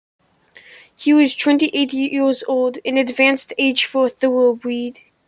He was twenty-eight years old, an advanced age for a thoroughbred.